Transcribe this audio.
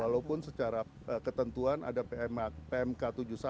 walaupun secara ketentuan ada pmk tujuh puluh satu